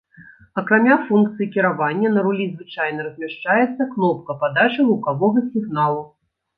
Акрамя функцыі кіравання, на рулі звычайна размяшчаецца кнопка падачы гукавога сігналу.